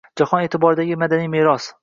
Jahon e’tiboridagi madaniy meros